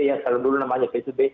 yang dulu namanya psbb